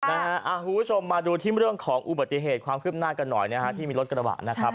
คุณผู้ชมมาดูที่เรื่องของอุบัติเหตุความคืบหน้ากันหน่อยนะฮะที่มีรถกระบะนะครับ